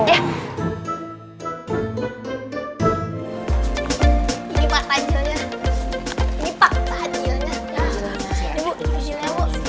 ini pak takjilnya